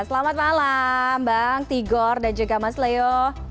selamat malam bang tigor dan juga mas leo